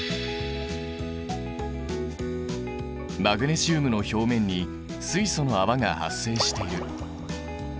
マグネシウムの表面に水素の泡が発生している。